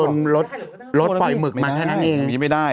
ลดปล่อยหมึกมาแค่นั้นเอง